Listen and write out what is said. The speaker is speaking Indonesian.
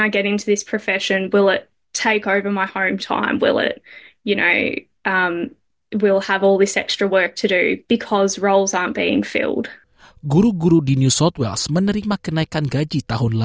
guru guru di new south wales menerima kenaikan gaji